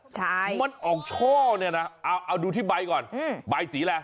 ใช่มันออกช่อเนี่ยนะเอาดูที่ใบก่อนใบสีอะไร